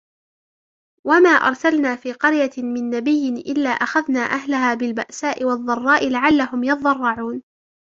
وَمَا أَرْسَلْنَا فِي قَرْيَةٍ مِنْ نَبِيٍّ إِلَّا أَخَذْنَا أَهْلَهَا بِالْبَأْسَاءِ وَالضَّرَّاءِ لَعَلَّهُمْ يَضَّرَّعُونَ